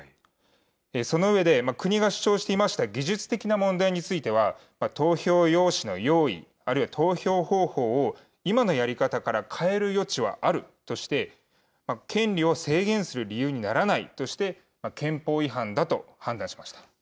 その上で、国が主張していました技術的な問題については、投票用紙の用意、あるいは投票方法を、今のやり方から変える余地はあるとして、権利を制限する理由にならないとして、憲法違反だと判断しました。